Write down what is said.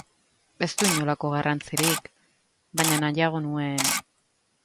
Ez du inolako garrantzirik, baina nahiago nuen...